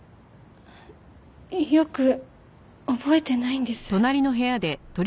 よく覚えてないんです。